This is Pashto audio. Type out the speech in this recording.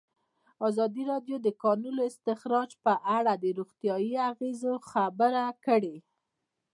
ازادي راډیو د د کانونو استخراج په اړه د روغتیایي اغېزو خبره کړې.